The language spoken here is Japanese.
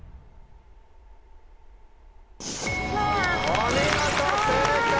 お見事正解！